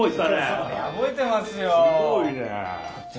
そりゃ覚えてますよ。